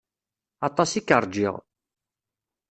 Aṭas i k-rjiɣ.